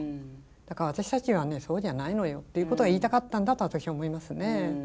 だから私たちはそうじゃないのよっていうことが言いたかったんだと私は思いますね。